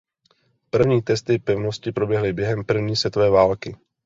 První testy pevnosti proběhly během První světové války.